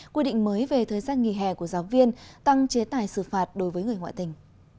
quy định mới về thời gian nghỉ hè của giáo viên tăng chế tài xử phạt đối với người ngoại tình